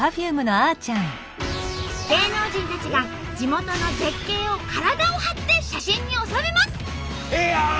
芸能人たちが地元の絶景を体を張って写真に収めます。